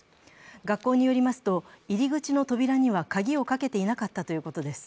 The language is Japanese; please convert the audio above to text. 学校によりますと、入り口の扉には鍵をかけていなかったということです。